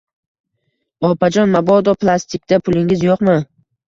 Opajon, mabodo plastikda pulingiz yoʻqmi?